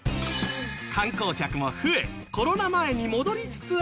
観光客も増えコロナ前に戻りつつあるフランス。